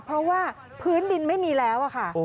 เพราะว่าพื้นดินไม่มีแล้วค่ะ